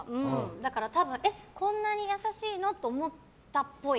だから、こんなに優しいの？って思ったっぽい。